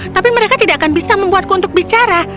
tapi mereka tidak akan bisa membuatku untuk bicara